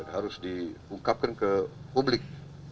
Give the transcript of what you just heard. harus diungkapkan ke publik